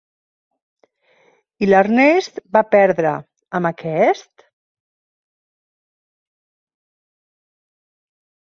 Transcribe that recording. I l'Ernest va perdre, amb aquest?